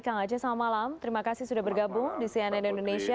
kang aceh selamat malam terima kasih sudah bergabung di cnn indonesia